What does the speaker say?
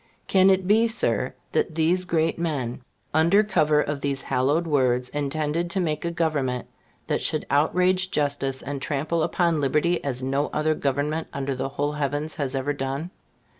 Can it be, Sir, that these great men, under cover of those hallowed words, intended to make a government that should outrage justice and trample upon liberty as no other government under the whole heavens has ever done?